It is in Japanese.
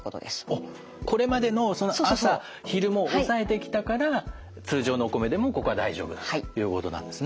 あっこれまでの朝昼も抑えてきたから通常のお米でもここは大丈夫だということなんですね。